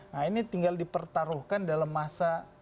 nah ini tinggal dipertaruhkan dalam masa